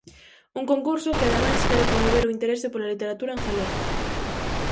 Un concurso que ademais quere promover o interese pola literatura en galego.